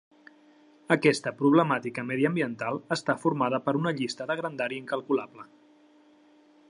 Aquesta problemàtica mediambiental està formada per una llista de grandària incalculable.